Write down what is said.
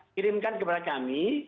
kirimkan kepada kami